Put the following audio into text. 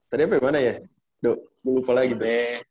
tadi sampe mana ya duh lu lupa lagi tuh